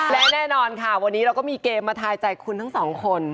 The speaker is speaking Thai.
และแน่นอนค่ะวันนี้เราก็มีเกมมาทายใจคุณทั้งสองคน